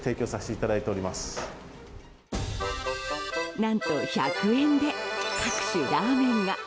何と１００円で各種ラーメンが！